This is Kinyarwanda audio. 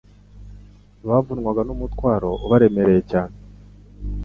bavunwaga n'umutwaro ubaremereye cyane: